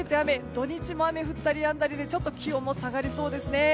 土日も雨が降ったりやんだりでちょっと気温も下がりそうですね。